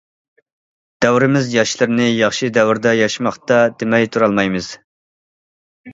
دەۋرىمىز ياشلىرىنى ياخشى دەۋردە ياشىماقتا دېمەي تۇرالمايمىز.